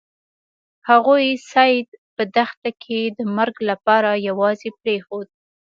هغوی سید په دښته کې د مرګ لپاره یوازې پریښود.